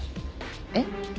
えっ？